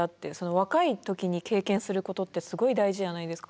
若い時に経験することってすごい大事じゃないですか。